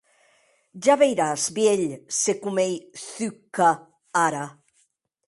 Ja veiràs, vielh, se com ei Zhuchka ara!